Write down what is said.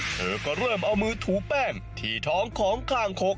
เธอก็เริ่มเอามือถูแป้งที่ท้องของข้างคก